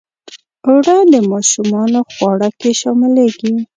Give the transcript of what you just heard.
اوړه د ماشومانو خواړه کې شاملیږي